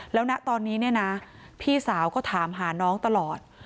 ณตอนนี้เนี่ยนะพี่สาวก็ถามหาน้องตลอด